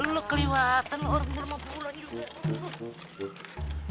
lo keliwatan orang orang mau pulang juga